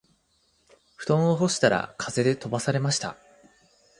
布団を干したら風で飛ばされました